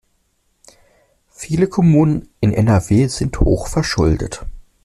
Viele Kommunen in NRW sind hochverschuldet.